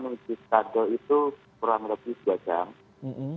untuk jarak dari simpang menuju sekadau itu kurang lebih tiga jam